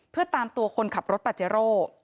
เพื่อตามตัวคนขับรถปาเจโร่